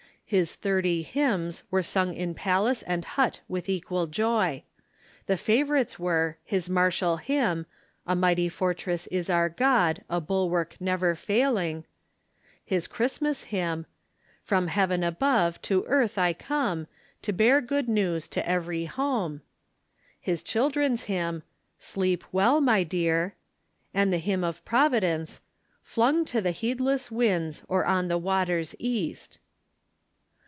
His thirty hymns "were Other"works ^""o ^'^ palace and hut with equal joy. The favor ites were, his martial hymn, " A mighty fortress is our God, A bulwark never failing ;" his Christmas Hymn, *' From heaven above to earth I come, To bear good news to every home ;" his Children's Hymn, " Sleep well, my dear ;" and the Hymn of Providence, "Flung to the heedless winds, Or on the waters cast."